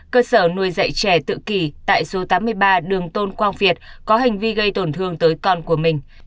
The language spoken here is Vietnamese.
cơ sở nuôi dạy trẻ tự kỷ tại số tám mươi ba đường tôn quang việt có hành vi gây tổn thương tới con của mình